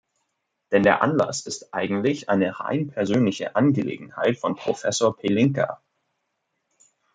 Denn der Anlass ist eigentlich eine rein persönliche Angelegenheit von Professor Pelinka.